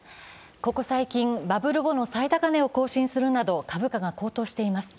ここ最近、バブル後の最高値を更新するなど株価が高騰しています。